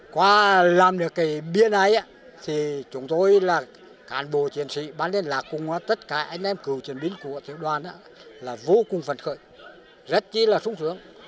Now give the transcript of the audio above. qua làm được cái biến ấy chúng tôi là cán bộ chiến sĩ bán liên lạc cùng tất cả anh em cựu chiến binh của tiểu đoàn là vô cùng phần khởi rất là sống sướng